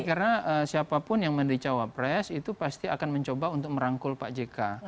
karena siapapun yang menjadi cawapres itu pasti akan mencoba untuk merangkul pak jk